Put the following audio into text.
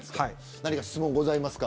何か質問ございますか。